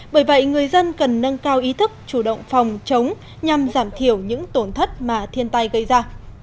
bởi vậy người dân cần nâng cao ý thức chủ động phòng chống nhằm giảm thiểu những tổn thất mà thiên tai gây ra